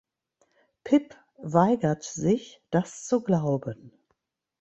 Pip weigert sich, das zu glauben.